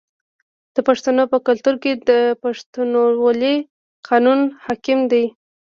د پښتنو په کلتور کې د پښتونولۍ قانون حاکم دی.